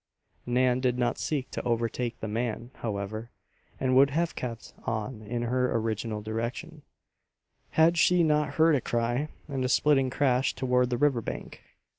Nan did not seek to overtake the man, however, and would have kept on in her original direction, had she not heard a cry and a splitting crash toward the river bank.